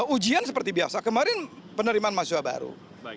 ujian seperti biasa kemarin penerimaan mahasiswa baru